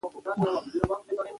قضا د ناروغۍ په سبب بيلتون کوي.